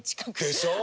でしょ？